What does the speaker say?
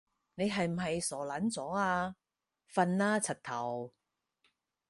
你係咪傻撚咗啊？瞓啦柒頭